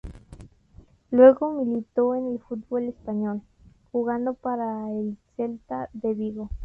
Luego militó en el fútbol español, jugando para el Celta de Vigo.